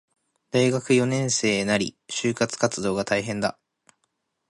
大学四年生なり、就職活動が大変だ